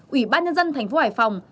ủy ban nhân dân thành phố hải phòng